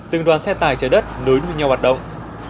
từng đoàn xe tải chở đất đối với nhau hoạt động